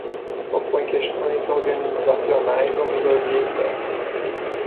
Propõe questões organizacionais ou melhoria interna.